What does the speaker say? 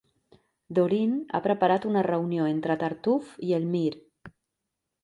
Dorine ha preparat una reunió entre Tartuffe i Elmire.